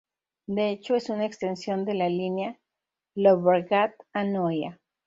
De hecho es una extensión de la línea Llobregat-Anoia.